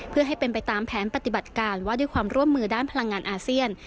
เพื่อให้เป็นไปตามแผนปฏิบัติการว่าด้วยความร่วมมือด้านพลังงานอาเซียน